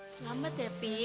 selamat ya pi